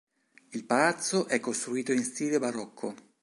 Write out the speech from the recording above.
Il palazzo è costruito in stile barocco.